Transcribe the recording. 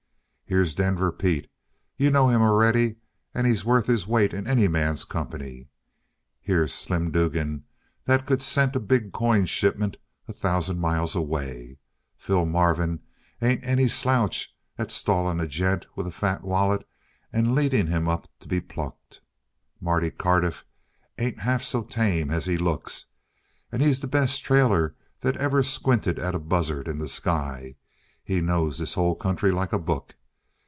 "Here's Denver Pete. You know him already, and he's worth his weight in any man's company. Here's Slim Dugan, that could scent a big coin shipment a thousand miles away. Phil Marvin ain't any slouch at stalling a gent with a fat wallet and leading him up to be plucked. Marty Cardiff ain't half so tame as he looks, and he's the best trailer that ever squinted at a buzzard in the sky; he knows this whole country like a book.